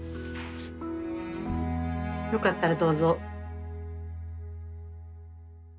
よかったらどうぞ。